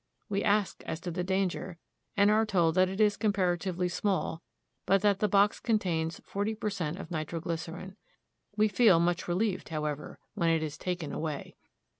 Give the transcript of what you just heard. We ask as to the danger, and are told that it is comparatively small, but that the box contains forty per cent, of nitroglycerin. We feel much relieved, however, when it is taken away.